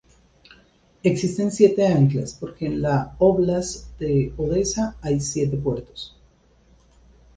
Existen siete anclas porque en la óblast de Odesa hay siete puertos.